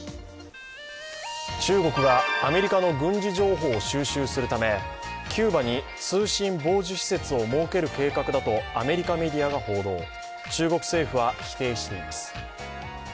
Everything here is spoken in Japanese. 中国がアメリカの軍事情報を収集するためキューバに通信傍受施設を設ける計画だとアメリカメディアが報道中国政府は否定しています。